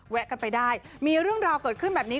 แวะกันไปได้มีเรื่องราวเกิดขึ้นแบบนี้